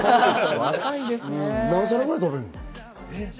何皿ぐらい食べるの？